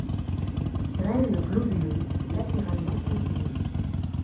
Graines globuleuses latéralement comprimées.